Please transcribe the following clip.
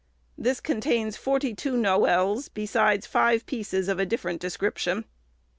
This contains forty two noëls, besides five pieces of a different description.